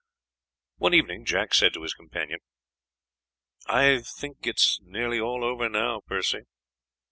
One evening Jack said to his companion, "I think it's nearly all over now, Percy.